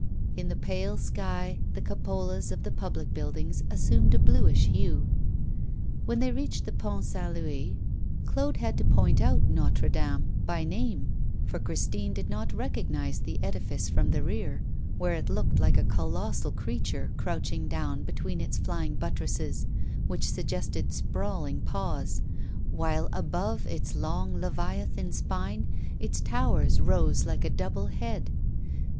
In the pale sky, the cupolas of the public buildings assumed a bluish hue. When they reached the Pont St. Louis, Claude had to point out Notre Dame by name, for Christine did not recognise the edifice from the rear, where it looked like a colossal creature crouching down between its flying buttresses, which suggested sprawling paws, while above its long leviathan spine its towers rose like a double head.